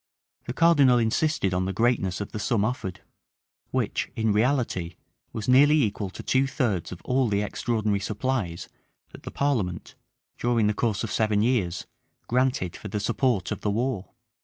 The cardinal insisted on the greatness of the sum offered, which, in reality, was nearly equal to two thirds of all the extraordinary supplies that the parliament, during the course of seven years, granted for the support of the war.